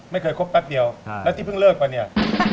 ไม่เคยคบแป๊บเดียวแล้วที่เพิ่งเลิกว่าเนี่ย